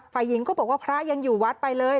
ฝ่ายหญิงก็บอกว่าพระยังอยู่วัดไปเลย